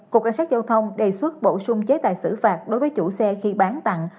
cục cảnh sát giao thông đề xuất bổ sung chế tài xử phạt đối với chủ xe khi bán tặng